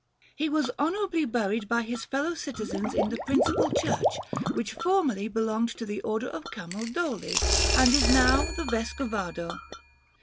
He was honourably buried by his fellow citizens in the principal church, which formerly belonged to the Order of Camaldoli, and is now the Vescovado.